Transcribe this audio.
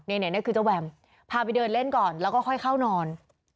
นี่คือเจ้าแวมพาไปเดินเล่นก่อนแล้วก็ค่อยเข้านอน